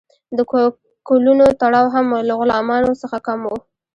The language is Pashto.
د کولونو تړاو هم له غلامانو څخه کم و.